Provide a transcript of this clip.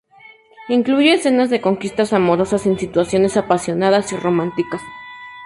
Incluye escenas de conquistas amorosas en situaciones apasionadas y románticas.